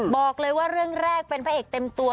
บอกเลยว่าเรื่องแรกเป็นพระเอกเต็มตัว